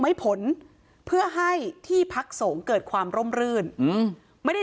ผลเพื่อให้ที่พักสงฆ์เกิดความร่มรื่นอืมไม่ได้